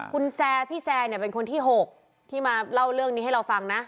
คุณแซร์พี่แซร์เนี่ยเป็นคนที่๖ที่มาเล่าเรื่องนี้ให้เราฟังนะ